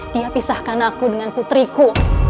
dia pisahkan aku dengan putriku